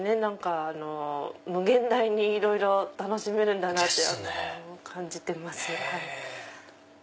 無限大にいろいろ楽しめるんだなって感じてます。